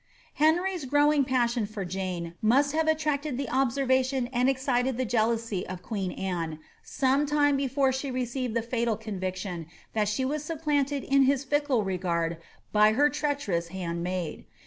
Hemy'a growing pafuon for Jane must have attracted the observation and excited the jealousy of queen Anne some time before she received the frtal conviction that she was supplanted in his fickle regard by her treachifous handmaid.